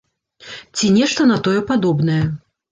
Ці нешта на тое падобнае.